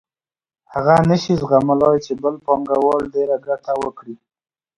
هغه نشي زغملای چې بل پانګوال ډېره ګټه وکړي